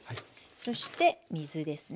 そして水ですね。